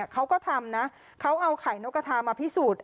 เขาก็ทำนะเขาเอาไข่นกกระทามาพิสูจน์